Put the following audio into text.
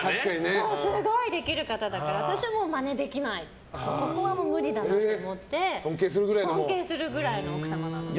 すごいできる方だから私はマネできないそこは無理だなと思って尊敬するくらいの奥様なので。